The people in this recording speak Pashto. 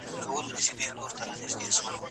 تر دوو کلونو شیدې ماشوم ته کافي دي.